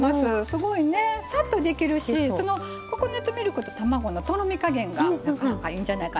すごいねさっとできるしココナツミルクと卵のとろみ加減がなかなかいいんじゃないかなと思います。